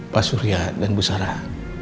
pak surya dan bu sarah